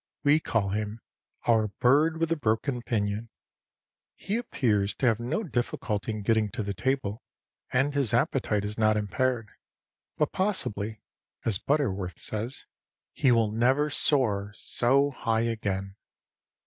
We call him our "Bird with the broken pinion." He appears to have no difficulty in getting to the table, and his appetite is not impaired, but possibly, as Butterworth says, "He will never soar so high again."